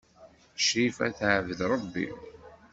Crifa tɛebbed Ṛebbi.